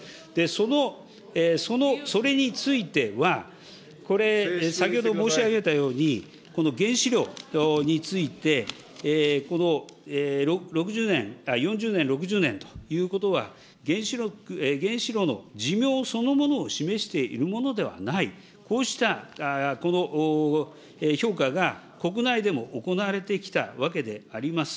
その、それについては、先ほど申し上げたように、この原子炉について、６０年、４０年、６０年ということは、原子炉の寿命そのものを示しているものではない、こうしたこの評価が国内でも行われてきたわけであります。